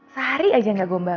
sehari aja nggak gombal